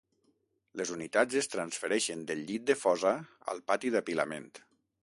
Les unitats es transfereixen del llit de fosa al pati d'apilament.